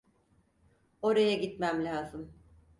Oraya gitmem lazım.